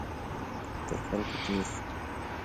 تر خلکو تېر شو.